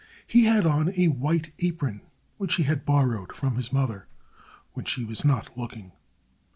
He had on a white apron, which he had borrowed from his mother when she was not looking.